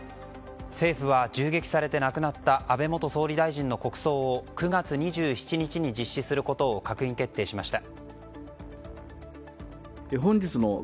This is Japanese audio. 政府は銃撃されて亡くなった安倍元総理大臣の国葬を９月２７日に実施することを閣議決定しました。